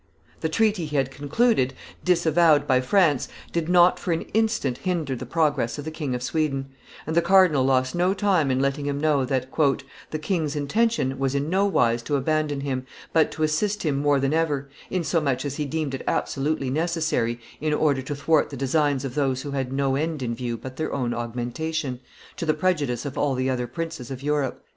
The treaty he had concluded, disavowed by France, did not for an instant hinder the progress of the King of Sweden; and the cardinal lost no time in letting him know that "the king's intention was in no wise to abandon him, but to assist him more than ever, insomuch as he deemed it absolutely necessary in order to thwart the designs of those who had no end in view but their own augmentation, to the prejudice of all the other princes of Europe."